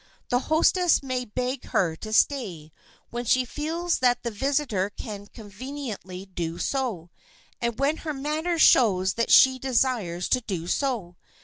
The hostess may beg her to stay when she feels that the visitor can conveniently do so, and when her manner shows that she desires to do so.